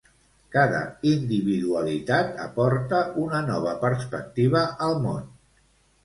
Cada individualitat aporta una nova perspectiva al món.